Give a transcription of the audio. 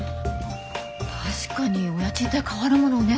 確かにお家賃帯変わるものねぇ